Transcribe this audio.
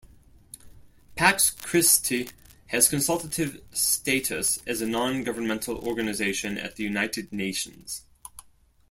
Pax Christi has consultative status as a non-governmental organization at the United Nations.